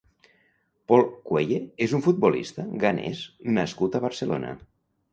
Paul Quaye és un futbolista ghanès nascut a Barcelona.